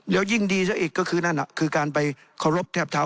แล้วยิ่งดีซะอีกก็คือนั่นคือการไปเคารพแทบเท้า